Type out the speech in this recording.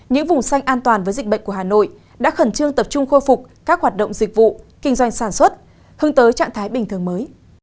những vùng xanh an toàn với dịch bệnh của hà nội đã khẩn trương tập trung khôi phục các hoạt động dịch vụ kinh doanh sản xuất hướng tới trạng thái bình thường mới